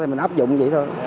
thì mình áp dụng vậy thôi